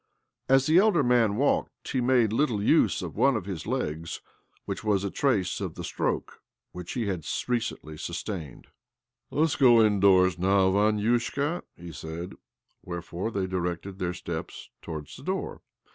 As the elder man walk he made little use of one of his legs, whi OBLOMOV 283 IS ' was a trace of the stroke which he had l|l recently sustained. «■" Let us go indoors now, Vaniushka," he *; said ; wherefore they directed their steps to i wards the door.